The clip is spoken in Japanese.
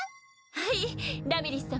はいラミリス様。